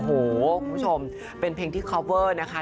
โอ้โหคุณผู้ชมเป็นเพลงที่คอปเวอร์นะคะ